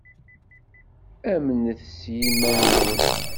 Amnet s yiman-nwen.